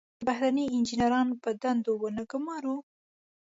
که بهرني انجنیران په دندو ونه ګمارم.